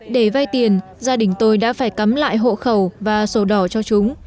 để vay tiền gia đình tôi đã phải cắm lại hộ khẩu và sổ đỏ cho chúng